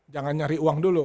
jangan nyari uang dulu